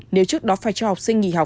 nếu trước đó phải cho học sinh nghỉ học